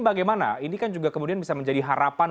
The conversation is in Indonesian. bagaimana ini kan juga kemudian bisa menjadi harapan